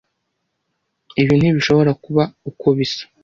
Ibi ntibishobora kuba uko bisa.